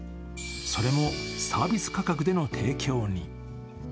それもサービス価格での提供に。